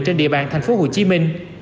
trên địa bàn thành phố hồ chí minh